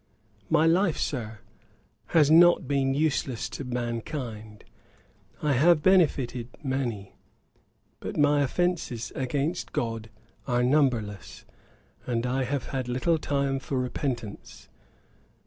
'My life, Sir, has not been useless to mankind. I have benefited many. But my offences against GOD are numberless, and I have had little time for repentance.